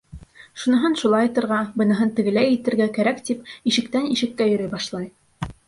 Шуныһын шулайтырға, быныһын тегеләй итергә кәрәк, тип ишектән-ишеккә йөрөй башлай.